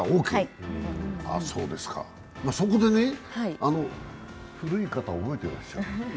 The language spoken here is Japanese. そこでね、古い方、覚えてらっしゃる？